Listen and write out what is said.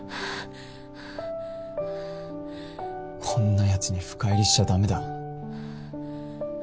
こんなやつに深入りしちゃ駄目だ